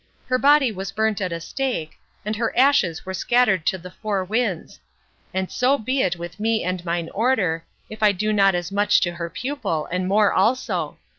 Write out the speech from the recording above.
"Her body was burnt at a stake, and her ashes were scattered to the four winds; and so be it with me and mine Order, if I do not as much to her pupil, and more also!